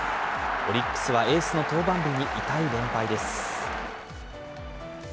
オリックスはエースの登板日に痛い連敗です。